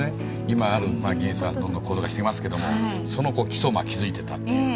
今あるまあ技術はどんどん高度化してますけどもその基礎を築いてたっていうね。